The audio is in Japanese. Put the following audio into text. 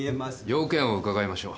用件を伺いましょう。